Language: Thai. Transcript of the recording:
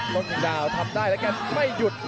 โน้นคืนดาวทำได้แล้วกันไม่หยุด